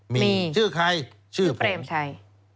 มีชื่อใครชื่อเปรมชัย